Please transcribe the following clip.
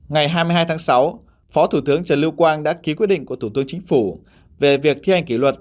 ngày hai mươi hai tháng sáu phó thủ tướng trần lưu quang đã ký quyết định của thủ tướng chính phủ về việc thi hành kỷ luật